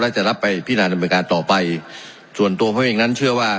และจะรับไปพินาธิบายการต่อไปส่วนตัวเพราะอย่างนั้นเชื่อว่า